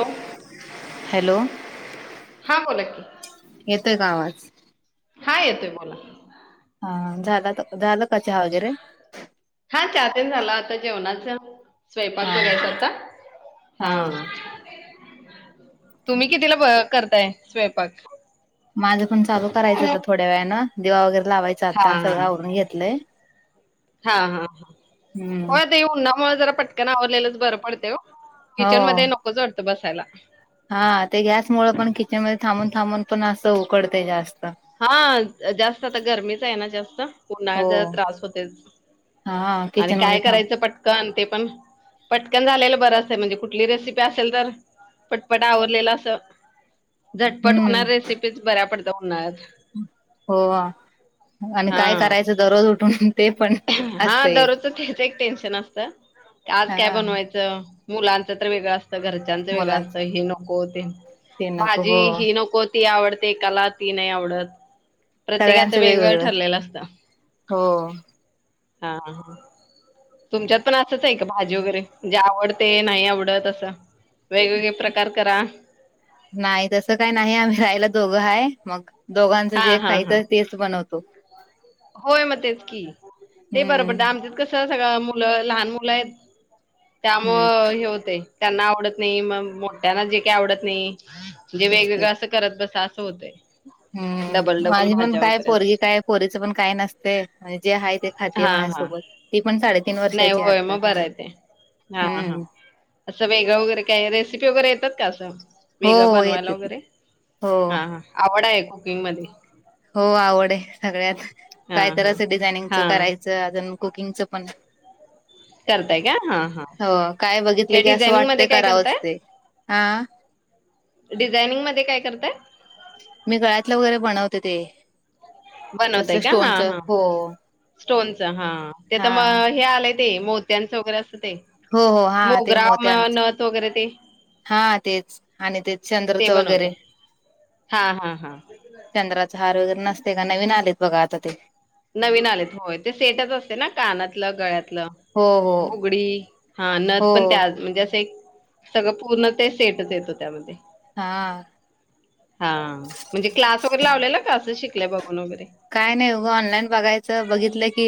Hello hello हा बोला की, येतोय का आवाज हा येतोय बोल, हा, झाला आता झालं का चहा वगैरे. हा, चाहा तेन झाला आता जेवणाच. हा स्वयंपाक बघायचा हा काही करता हा. तुम्ही कितीला ब करताय स्वयंपाक. माझं पण चालू करायचं होतं थोड्या वेळाने दिवा वगैरे लावायचा हा आता सगळं हा आवरून घेतलंय. हा हा, हो हम्म आता उन्हामुळे जरा पटकन आवरलेलंच बरं पडतेवो. हो किचन मध्ये नकोच वाटतं बसायला. हा ते गॅस मुळ पण किचनमध्ये थांबून थांबून पण असं उकडते जास्त. हा, जास्त आता गरमीच आहे ना जास्त पुन्हाळ हो ज त्रास होतेय. हा आणि किचन मध्ये काय थांब करायचं पटकनं ते पण! पटकन झालेलं बरंच आहे, म्हणजे कुठली रेसिपी असेल तर! पटपट आवरलेलं असं, झटपट हम्म होणार रेसिपीच बऱ्या पडद होणार! हो आणि काय हा करायचं दररोज उठून ते पण! हा असतं एक दररोज तेच एक टेन्शन असतं की आज काय हा बनवाय च मुलांच तर वेगळं असतं घर च्याच वेगळं असत मुलांच हे नको, ते ते नको भाजी हो ही नको ती आवडते एकाला, ती नाही आवडत प्रत्येकाचं सगळ्यांचं वेगळं वेगवेगळं ठरलेलं असतं. हो! हा हा! तुमच्यात पण असंच आहे, का भाजी वगैरे जे आवडते नाही आवडत असं. वेगवेगळे प्रकार करा. नाही तस काही नाही आम्ही राहायला दोघं आहे, मग दोघांचं हा जे हा हा खायचं ते च बनवतो. होय म तेच कि, ते बरं हम्म पडत आमच्यात कसं सगळं मुलं लहान मुलं आहेत. त्यामुळ हम्म हे होतयं त्यांना आवडत नही, म मोठ्यांना जे काही आवडत नही. म्हणजे तेच वेगवेगळं असं करत बसां, असं होतंय. डबल हूं डबल माझी पण भाज्या काय वगैरे पोरगी असं काय! पोरीच पण काय नसतयं अन जे आहे ते खातेयं हा हा माझ्यासोबत ती पण साडे नाही होय म बरं आहे ते हा हा! हम्म असं वेगळं वगैरे काय, रेसिपी वगैरे येतात का असं? हो वेगळ हो बनवायला येते ती वगैरे हो हा हा, आवड आहे कुकिंग मध्ये. हो आवड आहे सगळ्यात हा काय तर हा असं डिझायनिंगच हा करायचं, अजून कुकिंगचं पण. करताय का हा हा हो काय बघितले की असं डिझायनिंग मध्ये वाटतय काय करावंच करताय ते हा! डिझायनिंग मध्ये काय करताय? मी गळ्यातलं वगैरे बनवते ते! बनवते तसलं का हा स्टोनच हां हो स्टोनच हा ते त म हा हे आलंय! ते मोत्यांच वगैरे अस ते, हो हो हा ते मोगरा मोत्यांच नथ वगैरे ते हा तेच आणि ते ते चंद्रचं बनवतय वगैरे. हा हा हा! चंद्राचा हार वगैरे नसते का, नवीन आलेत बघा आता ते! नवीन आलेत होय ते सेटच असते ना कानातलं गळ्यातलं. हो हो बुगडी हा नथ हो पण त्यात म्हणजे असं एक. सगळं पूर्ण ते सेटच येतो त्यामध्ये. हा! हा म्हणजे क्लास वगैरे लावलेला का असंच शिकल्या बघून वगैरे. काय नही गं ऑनलाईन बघायचं बघितले की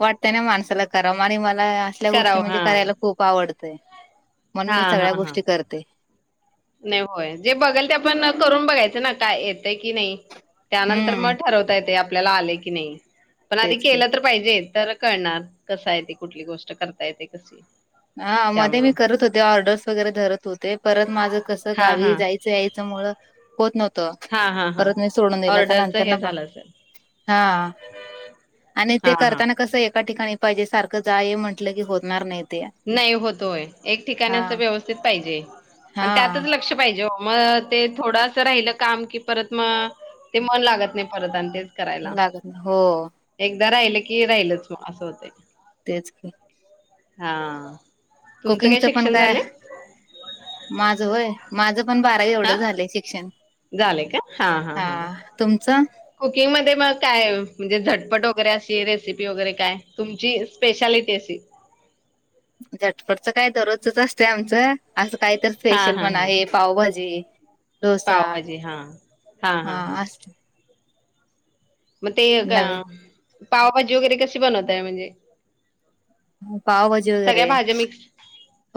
वाटतं ना माणसाला कराव आणि मला. तल्या गोष्टी करावं म्हणजे हा करायला खूप आवडतय, म्हणून मी सगळ्या गोष्टी करते. नही होय जे बघल ते आपण करून बघायचं ना काय ये त की नाही त्यानंतर म हम्म ठरवता येते आपल्याला आलंय की नही पन आता तेच की केल तरं पाहिजे तर कळणार कसा येते कुठली गोष्ट करता येते कशी. हा मध्ये मी त्यामुळं करत होते, ऑर्डर्स वगैरे धरत होते. परत माझ कसं हा गावी हा जायचं यायचं मुळ. होत नव्हत हा हा हा परत मी सोडून दिल, त्या ऑर्डरच नंतर हे बा झालं असेल हा! आणि हा ते हा करताना कसं एका ठिकाणी पाहिजे, सारखं जा ये म्हटलं की होणार नाही तेयां. नाही होत होय, एक ठिकाणी असं व्यवस्थित पाहिजे आणि हा त्यातच लक्ष पाहिजे ओ मग ते थोडं असं राहिलं काम की परत मग ते मन लागत नाही परत आणि ते लागत नाही हो एकदा राहिल की राहिलच मग असं होतंय तेच की हा तुमचं काय कुकिंगच पण शिक्षण काय झालंय माझ होय माझं पण बारावी एवढं झालंय शिक्षण झालय का, हा हा हा तुमचं कुकिंग मध्ये मग काय म्हणजे झटपट वगैरे अशी रेसिपी वगैरे काय तुमची स्पेशालिटी अशी झटपटच काय दररोजच असते आमचं असं काही तर हा स्पेशल हा पण हा आहे पावभाजी, डोसा पावभाजी हा हा असत मग ते का नवीन पावभाजी वगैरे कशी बनवताय म्हणजे- पावभाजी वगैरे सगळ्या भाज्या मिक्स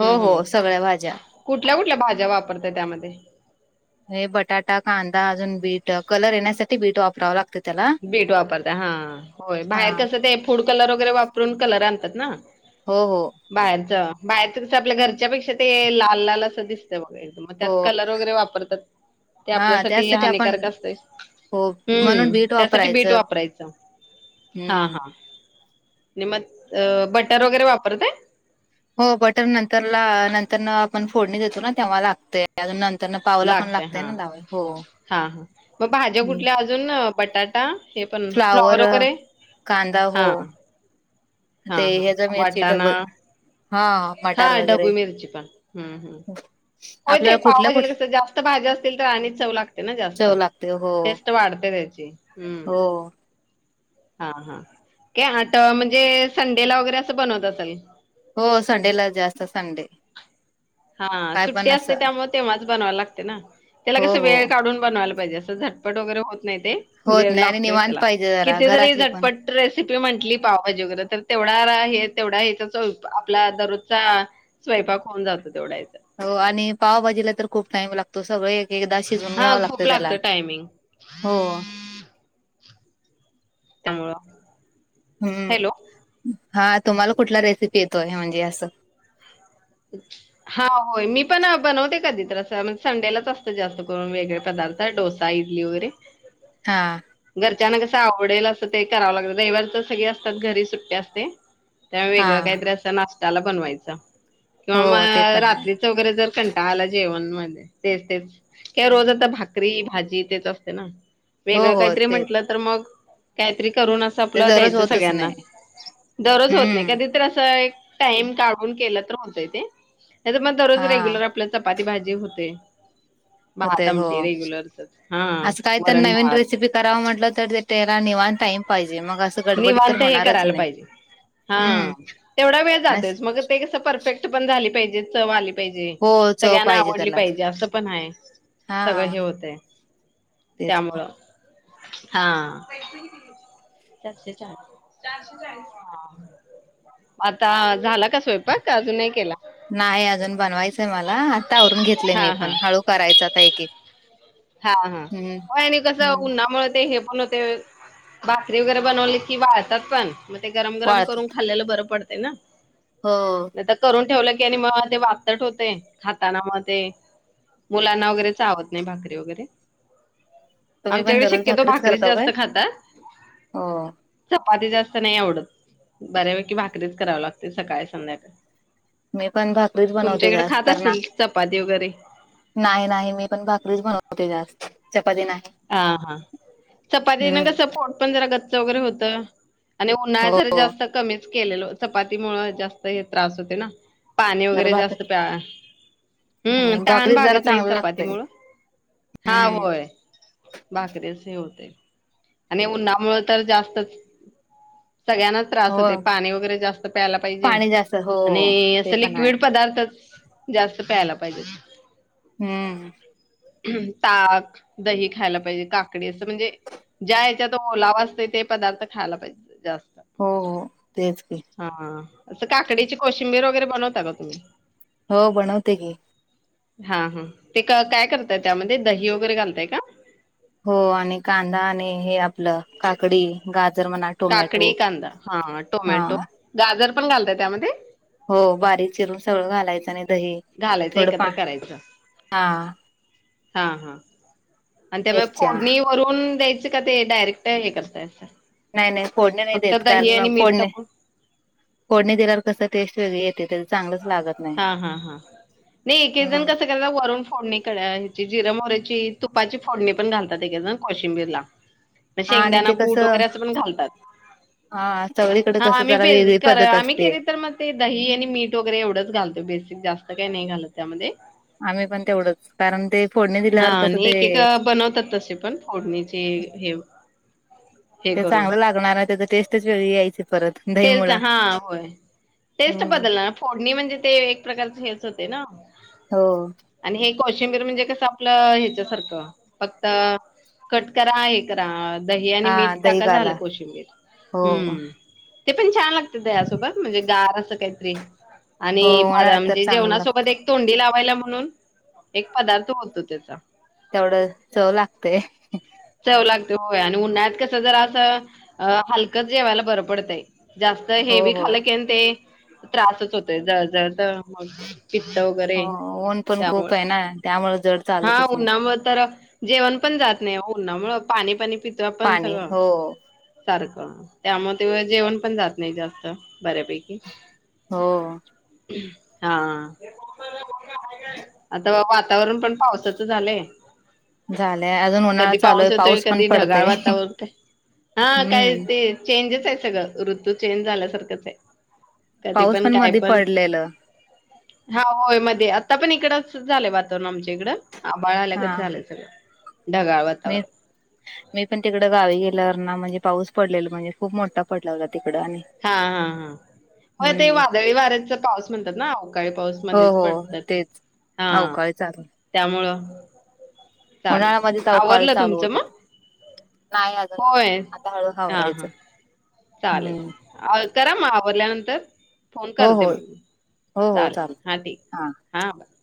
हो हो हम्म सगळ्या भाज्या- कुठल्या कुठल्या भाज्या वापरताय त्यामध्ये- हे बटाटा, कांदा अजून बीट कलर येण्यासाठी बीट वापरावं लागत. बीट वापरताय हा होय हा बाहेर कसं ते फूड कलर वगैरे वापरून कलर आणतात ना- हो हो बाहेरचं बाहेरच कसं आपल्या घरच्यापेक्षा ते लाल लाल असं दिसत बघै- मग त्यात हो कलर वगैरे वापरतात. ते हा आपल्यासाठी त्यासाठी आपण हानिकारक असतयं, हो म्हणून हम्म- बीट त्यासाठी बीट वापरायचं वापरायचं, हा हम्म. हा! आणि म अ बटर वगैरे वापरतय? हो बटर नंतर ला नंतर न आपण फोडणी देतो ना तेव्हा लागते अजून नंतर न- लागतय हा, हा हा मग भाज्या हम्म. कुठल्या अजून बटाट- का हे पण फ्लॉवर फ्लावर वगैरे.... कांदा हो हा- हा ते हा ह्याचा मिरची डब वाटाणा- हा हा मटार वगैरे ढबू मिरची पण हम्म हम्म- होय ते आपल्याला कुठल्या पावभाजीेला कुठल्या कसं जास्त भाज्या असतील तर आणि चव लागते ना जास्त- चव लागते हो टेस्ट वाढते त्याची, हम्म- हो हा हा के आट म्हणजे संडेला वगैरे असं बनवत असल. हो संडेलाच जास्त संडे- हा काय सुट्टी पण असते असं त्यामुळे तेव्हाच बनवायला लागते ना त्याला हो कस हो वेळ काढून बनवायला पाहिजे असं झट पट वगैरे होत नाही ते होत वेळ नाही आणि लागतोयच निवांत त्याला पाहिजे जरा किती जरी घरातले पण झटपट- रेसिपी म्हंटली पावभाजी वगैरे तर तेवढा रा हे तेवढा येतच आपला दरोजचा- स्वयंपाक होऊन जातो तेवढ्यायचा- हो आणि पावभाजीला तर खूप टाइम लागतो सगळं एक एकदा शिजून हा घ्यावं खूप लागतं त्याला- टायमिंग हो, - त्यामुळं हॅलो हम्म हा तुम्हाला कुठला रेसिपी येतोय म्हणजे असं- हा होय मी पण बनवते कधी तर असं म संडेलाच असतं जास्त करून वेगळे पदार्थ- त डोसा, इडली वगैरे- हा घरच्यांना कसं आवडेल असं ते करावं लागत रविवार तर सगळे असतात घरी सुट्टी असते. त्यावेगळं हां. काही तरी असं, नाश्ताला बनवायच‌ किंवा म हो ते पण आहे. रात्रीचं वगैरे जर कंटाळा आला जेवण मध्ये तेच तेच किंवा रोज आता भाकरी भाजी तेच असते ना? हो, वेगळं हो. काहीतरी ते म्हंटलं तर मग काहीतरी करूनच ते आपलं दररोज द्यायचं होतच सगळ्यांना नाही. दररोज होत नाही हम्म. कधी तर असं एक टाइम काढून केलं तर होतयं ते नाही मग दररोज हां. रेग्युलर आपल्या चपाती भाजी होतय भात होतंय हो. आमटी रेग्युलरली हा वरण, भात कराव म्हटलं तर ते त्याला निवांत टाईम पाहिजे मग आ निवांत हे करायला पाहिजे, हा हम्म. तेवढा वेळ अस जातोयच मग ते कसं परफेक्ट पण झाली पाहिजे, चव आली पाहीजे हो चव सगळ्यांना पाहिजे आवडली त्याला. पाहिजे असं पण हाय सगळं हां, हे होतय तेच. त्यामुळं, हा चारशे चाळीस? चारशे चाळीस आता झाला का स्वयंपाक, का अजून नाही केला? नाही अजून बनवायचंय मला आता आवरून घेतले, मी हा हा. पण हळू करायचं आता एक एक हा हा प आणि कसं उन्हामुळे ते हे पण होतय भाकरी वगैरे बनवली की वाळतात पण, मग ते गरम गरम वाळत करून खाल्लेलं बरं पडतय ना? हो नायी तर करून ठेवलं की आणि मग ते वातट होतय खाताना म ते मुलांना वगैरे चावत नाही, भाकरी वगैरे तुम्ही पण आमच्याकडे दररोज शक्यतो भाकरीच करताव काय? जास्त खातात हो. चपाती जास्त नाही आवडत बऱ्यापैकी भाकरीच करावं लागते सकाळ संध्याकाळ मी पण भाकरीच बनवते जास्त खात कारण ना असतील चपाती वगैरे नाही नाही मी पण भाकरीच बनवते जास्त, चपाती नाही हा हा चपाती ना कसं हम्म पोट पण जरा गच्च वगैरे होत आणि उन्हाळ्या हो जर जास्त कमीच केलेल चपाती मुळं जास्त हे त्रास होते ना? पाणी जर वगैरे जास्त भाकरी प्या, आणि हम्म तहान भाकरीच जरा भागत नायी चांगलं चपाती लागतय मुळं हा, हम्म होय भाकरीच हे होतय आणि उन्हामुळं तर जास्तच सगळ्यांनाच त्रास हो होतय पाणी वगैरे जास्त प्यायला पाहिजे पाणी जास्त हो आणि ते असं पण आहे लिक्विड पदार्थच जास्त प्यायला पाहिजेत हम्म ताक, दही, खायला पाहिजे काकडी असं म्हणजे ज्या ह्याच्यात ओलावा असत ते पदार्थ खायला पाहिजे जास्त हो, हो, तेच की हा असं काकडीची कोशिंबीर वगैरे बनवता का तुम्ही? हो, बनवते की हा हा ते काय करताय, त्यामध्ये दही वगैरे घालताय का? हो आणि कांदा आणि हे आपलं काकडी, गाजर म्हणा टोमॅटो काकडी, कांदा, हा हा टोमॅटो, गाजर पण घालतय त्यामध्ये? हो बारीक चिरून सगळं घालायचं, आणि दही घालायचं थोडं पा एकत्र करायचं हा हा हा आणि त्यामधे मिरच्या फोडणी करून द्यायचं का? ते डायरेक्ट हे करताय आता नाही नाही फोडणी नाय देत कारण फोडणी टाकून फोडणी दिल्यावर कसं टेस्ट वेगळी येत्या तेच हा हा हा नाही एकएक जण हम्म. कस. त्याला वरून फोडणी क ह्याची जिर मोऱ्याची तुपाची फोडणी पण घालत्यात एकएक जण कोशिंबीरला. [unintelligible] म शेंगदाना ते कूट कसं वगैरे असं पण घालतात. हा सगळीकडे हा कसं आम्ही जरा बी वेगळी कर पद्धत आम्ही असते. केली तर मग. ते दही आणि मीठ वगैरे एवढंच घालतोय बेसिक जास्त काही नाही घालत त्यामध्ये. आम्ही पण तेवढंच कारण ते फोडणी हा दिल्यावर कसं आणि एक एक ते बनवत्यात तसे पण. फडणीचे हे. हे ते करून. चांगलं लागणार हाय त्याचा टेस्टच वेगळी यायची परत. दही टेस्ट मुळ. हा होय टेस्ट हम्म. बदलनार फोडणी म्हणजे ते एक प्रकारचे हेच होतय ना. हो. आणि हे कॉशिंबीर म्हणजे कसं आपलं ह्याच्यासारखं फक्त कट करा हे. करा दही आणि हा मीठ दही टाका झालं काला कोशिंबीर हो हम. ते पण छान लागत दह्यासोबत म्हणजे गार आस काहीतरी. आणि हो भा उन्हाळ्यात तर म्हणजे चांगलं जेवणा लागत सोबत एक तोंडी लावायला म्हणून एक पदार्थ होतो त्याचा. तेवढं चव लागतय चव लागतय व्हय आणि उन्हाळ्यात कसं जरा असं हलकंच जेवायला बरं पडतय जास्त जर हो हेवी हो. खाल आणि ते त्रासच होतोय जळजळत मग पित्त वगैरे हो ऊन पण त्यामुळ खूप आहे ना त्यामुळे जड हा चालतच नाही उन्हामुळ तर जेवण पण जात नाही ओ उन्हामुळ पाणी पाणी पितोय आपण पाणी सगळं हो. सारखं त्यामुळ ते जेवण पण जात नाही जास्त बऱ्यापैकी हो हा आता वातावरण पण पावसाचं झालंय झालंय अजून [inaudible] कधी पाऊस आहे येतोय पण कधी ढगाळ पडतय वातावरण हा काय हम्म. ते चेंजच आहे सगळं ऋतू चेंज झाल्यासारखंच हाय कधी पाऊस पण काय मध्ये पण पडलेलं हा होय मध्ये आता पण इकड असंच झालंय वातावरण आमच्या इकडं आभाळ आल्यागत झालंय सगळं ढगाळ वातावरण नय मी पण तिकडं गावी गेल्यावर ना म्हणजे पाऊस पडलेल म्हणजे खूप मोठा पडला होता तिकडं आणि हा हा हा होय ते हम्म वादळी वाऱ्याचा पाऊस म्हणत्यात ना अवकाळी पाऊस हो मध्येच हो पडतात ते तेच हा अवकाळी चालू हाय त्यामुळं चालल उन्हाळ्यामध्येच अवकाळी आवरलं चालू तुमचं होते म नाही अजून होय आता हळू हां हां हावरायचं हम्म चालेल करा म आवरल्या नंतर फोन हो करते हो म मी हो हो चालेल चालत हा ठीक हा बरं